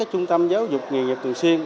trung tâm giáo dục nghề nghiệp thường xuyên